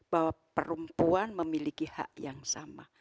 bahwa perempuan memiliki hak yang sama